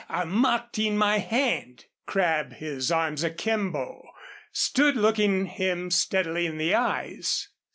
are marked in my hand?" Crabb, his arms akimbo, stood looking him steadily in the eyes.